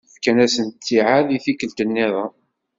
Fkan-asen ttiɛad i tikkelt-nniḍen.